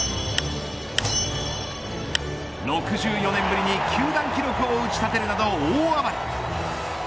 ６４年ぶりに球団記録を打ち立てるなど大暴れ。